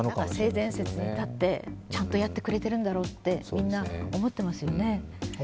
性善説に立ってちゃんとやってくれてるんだろうと思っていますよね。